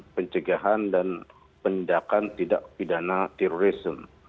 pencegahan dan penindakan tidak pidana terorisme